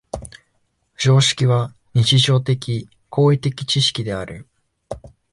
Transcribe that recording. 常識は日常的・行為的知識である。